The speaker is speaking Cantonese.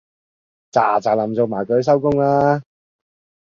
喳喳林做埋佢收工啦